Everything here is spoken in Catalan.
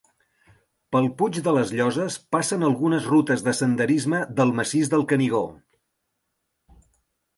Pel Puig de les Lloses passen algunes rutes de senderisme del massís del Canigó.